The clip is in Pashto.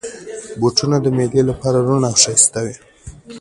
بوټونه د مېلې لپاره روڼ او ښایسته وي.